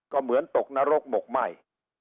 ก็เหมือนตกนรกหมกไหม้